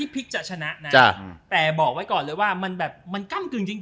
พลิกจะชนะนะแต่บอกไว้ก่อนเลยว่ามันแบบมันก้ำกึ่งจริง